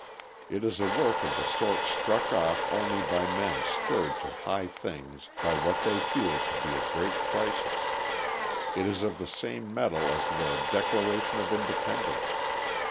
It is a work of the sort struck off only by men stirred to high things by what they feel to be a great crisis; it is of the same metal as the Declaration of Independence.